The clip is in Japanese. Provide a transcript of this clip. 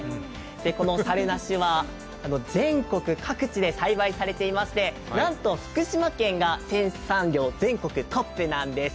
さるなしは全国各地で栽培されていまして、なんと福島県が生産量全国トップなんです。